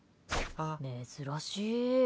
珍しいー！